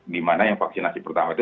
dimana yang vaksinasi pertama itu